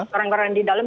koran koran di dalam